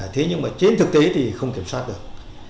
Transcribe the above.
thế nhưng mà trên thực tế thì không kiểm soát được